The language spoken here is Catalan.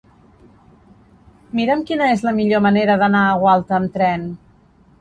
Mira'm quina és la millor manera d'anar a Gualta amb tren.